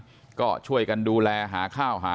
ผู้ตายไม่มีโรคประจำตัวไม่เคยมีผู้ชายคนไหนมาติดพันธุ์